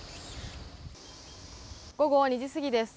午後２時過ぎです。